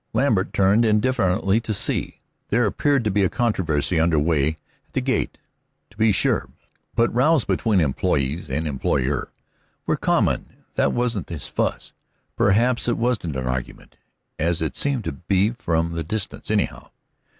Lambert turned, indifferently, to see. There appeared to be a controversy under way at the gate, to be sure. But rows between employees and employer were common; that wasn't his fuss. Perhaps it wasn't an argument, as it seemed to be from that distance, anyhow.